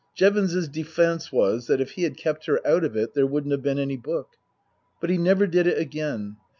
Jevons's defence was that if he had kept her out of it there wouldn't have been any book. But he never did it again.